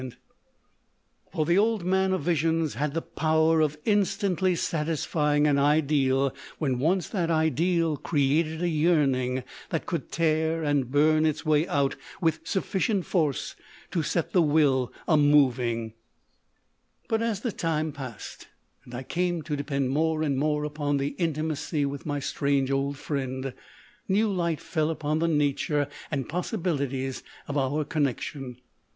THE OLD MAN OF VISIONS 271 For the Old Man of Visions had the power of instantly satisfying an ideal when once that ideal created a yearning that could tear and burn its way out with sufficient force to set the will a moving Ill But as the time passed and I came to depend more and more upon the intimacy with my strange old friend, new light fell upon the nature and possi bilities of our connection.